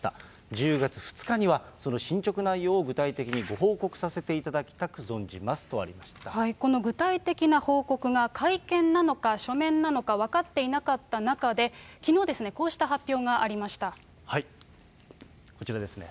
１０月２日には、その進捗内容を具体的にご報告させていただきたこの具体的な報告が会見なのか、書面なのか分かっていなかった中で、きのうですね、こうしたこちらですね。